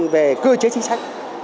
về cơ chế chính sách